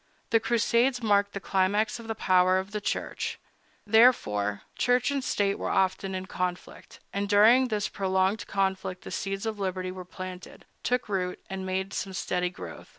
The Crusades marked the climax of the power of the Church. Thereafter, Church and State were often in conflict; and during this prolonged conflict the seeds of liberty were planted, took root, and made some sturdy growth.